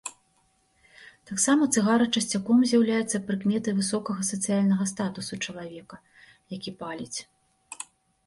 Таксама цыгара часцяком з'яўляецца прыкметай высокага сацыяльнага статусу чалавека, які паліць.